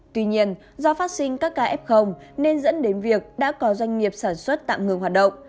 tuy nhiên do phát sinh các kf nên dẫn đến việc đã có doanh nghiệp sản xuất tạm ngừng hoạt động